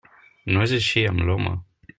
No és així amb l'home.